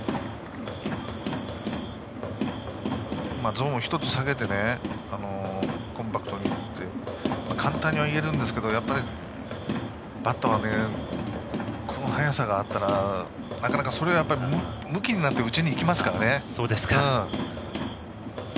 ゾーンを１つ下げてコンパクトにいってと簡単にはいえるんですがやっぱりバッターはこの速さがあるとなかなか、それはむきになって打ちに行きますからね。